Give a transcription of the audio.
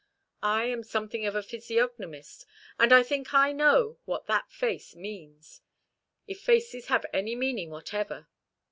I am something of a physiognomist, and I think I know what that face means; if faces have any meaning whatever.